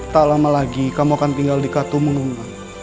tak lama lagi kamu akan tinggal di katumuno